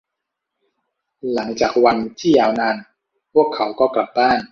หลังจากวันที่ยาวนาน พวกเขาก็กลับบ้าน